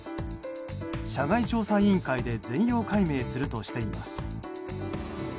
社外調査委員会で全容解明するとしています。